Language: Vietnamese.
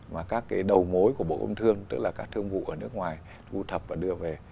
và các cái đầu mối của bộ công thương tức là các thương vụ ở nước ngoài thu thập và đưa về